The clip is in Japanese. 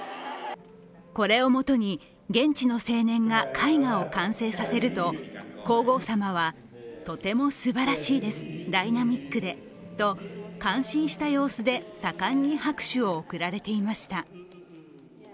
これをもとに、現地の青年が絵画を完成させると皇后さまは、「とてもすばらしいです、ダイナミックで」と感心した様子で盛んに拍手を送られていました。